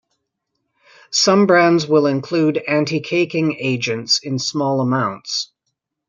Some brands will include anticaking agents in small amounts.